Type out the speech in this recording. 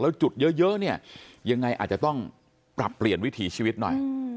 แล้วจุดเยอะเนี่ยยังไงอาจจะต้องปรับเปลี่ยนวิถีชีวิตหน่อย